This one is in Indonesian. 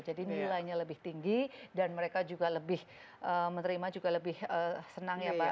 jadi nilainya lebih tinggi dan mereka juga lebih menerima juga lebih senang ya mbak